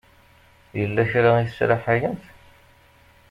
Yella kra i tesraḥayemt?